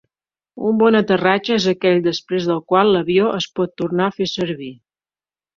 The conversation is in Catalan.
Un bon aterratge és aquell després del qual l'avió es pot tornar a fer servir.